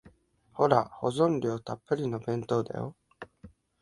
ほら、保存料たっぷりの弁当だよ。